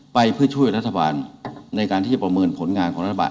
ไปเพื่อช่วยรัฐบาลในการที่จะประเมินผลงานของรัฐบาล